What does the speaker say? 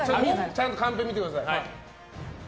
ちゃんとカンペ見てください。